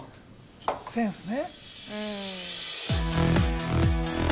センスね。